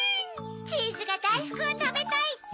チーズが「だいふくをたべたい」って。